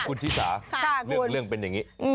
คุณชิสาเรื่องเป็นอย่างนี้